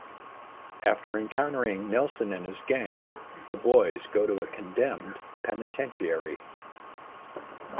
After encountering Nelson and his gang, the boys go to a condemned penitentiary.